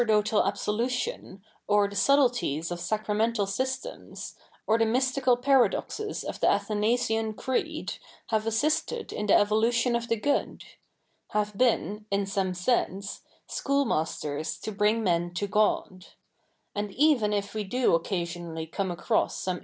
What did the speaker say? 'dotal absolutioji, or the subtleties of sacramental systems, or the mystical paradoxes of the Athanasian Creed, have assisted in th£ evolutiofi of the good — have been, in some sense, " schoolmasters to bring me7t to GodJ'' And even if we do occasionally come across some F 2 84 THE NEW REPUBLIC [bk.